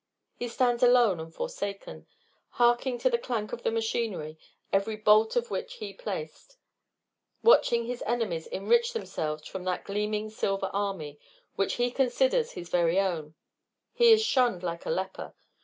He stands alone and forsaken, harking to the clank of the machinery, every bolt of which he placed; watching his enemies enrich themselves from that gleaming silver army, which he considers his very own. He is shunned like a leper.